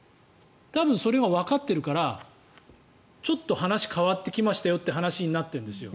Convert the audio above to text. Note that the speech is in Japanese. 多分それがわかってるからちょっと話が変わってきましたよという話になっているんですよ。